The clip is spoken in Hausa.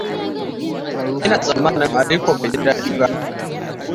Ina tsammanin Aliko bai ji dadi ba.